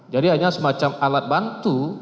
jadi hanya semacam alat bantu